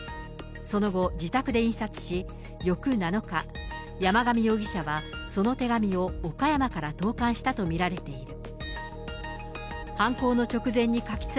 その後、自宅で印刷し、翌７日、山上容疑者はその手紙を岡山から投かんしたと見られている。